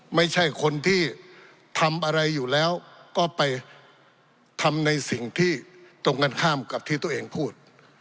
ไม่ใช่คนที่ทำอะไรอยู่แล้วก็ไปทำในสิ่งที่ตรงกันข้ามกับที่ตัวเองพูด